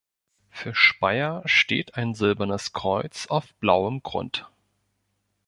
Für Speyer steht ein silbernes Kreuz auf blauem Grund.